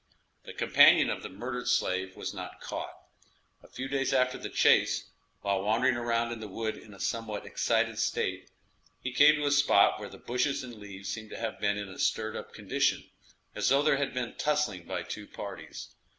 The companion of the murdered slave was not caught. A few days after the chase, while wandering around in the wood in a somewhat excited state, he came to a spot where the bushes and leaves seemed to have been in a stirred up condition, as though there had been tussling by two parties.